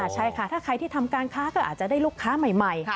ใช่ค่ะถ้าใครที่ทำการค้าก็อาจจะได้ลูกค้าใหม่